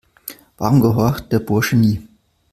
Warum gehorcht der Bursche nie?